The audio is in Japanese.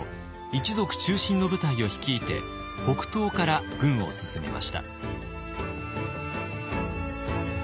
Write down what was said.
一族中心の部隊を率いて北東から軍を進めました。